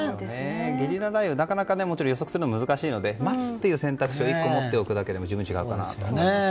ゲリラ雷雨を予測するのが難しいので待つという選択肢を１個持っておくだけでも十分違うと思いますね。